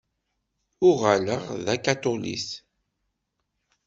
Uɣaleɣ d takaṭulit.